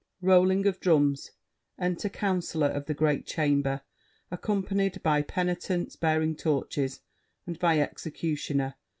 [Rolling of drums. Enter Councilor of the Great Chamber, accompanied by penitents bearing torches, and by Executioner.